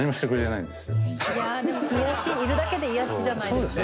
いやでも癒やしいるだけで癒やしじゃないですか。